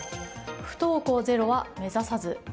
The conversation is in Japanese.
不登校ゼロは目指さず。